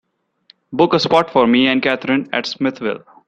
Book a spot for me and kathrine at Smithville